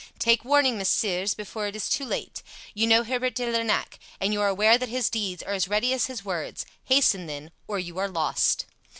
Take warning, messieurs, before it is too late! You know Herbert de Lernac, and you are aware that his deeds are as ready as his words. Hasten then, or you are lost!